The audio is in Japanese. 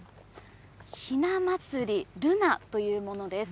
ひな祭りルナというものです。